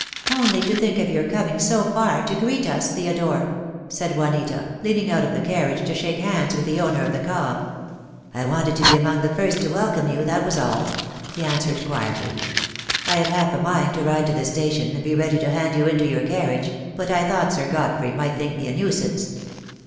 "Only to think of your coming so far to greet us, Theodore," said Juanita, leaning out of the carriage to shake hands with the owner of the cob. "I wanted to be among the first to welcome you, that was all," he answered, quietly. "I had half a mind to ride to the station and be ready to hand you into your carriage, but I thought Sir Godfrey might think me a nuisance."